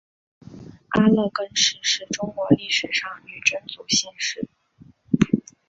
阿勒根氏是中国历史上女真族姓氏。